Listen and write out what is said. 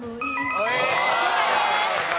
正解です。